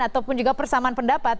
ataupun juga persamaan pendapat